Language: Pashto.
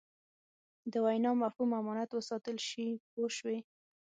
د وینا مفهوم امانت وساتل شي پوه شوې!.